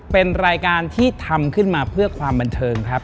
เป็นรายการที่ทำขึ้นมาเพื่อความบันเทิงครับ